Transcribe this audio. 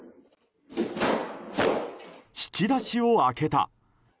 引き出しを開けた！